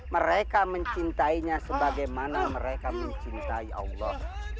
mereka mencintainya sebagaimana mereka mencintai allah